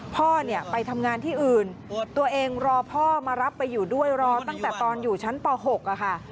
พ่อเนี่ยไปทำงานที่อื่นตัวเองรอพ่อมารับไปอยู่ด้วยรอตั้งแต่ตอนอยู่ชั้นป๖ค่ะ